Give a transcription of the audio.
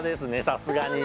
さすがに。